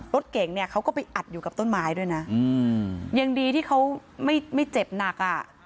รถเก่งเนี่ยเขาก็ไปอัดอยู่กับต้นไม้ด้วยนะยังดีที่เขาไม่เจ็บหนักอ่ะ